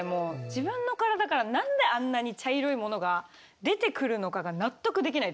自分の体から何であんなに茶色いものが出てくるのかが納得できないです。